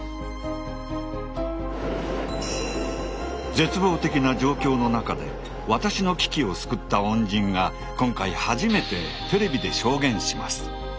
絶望的な状況の中で私の危機を救った恩人が今回初めてテレビで証言します。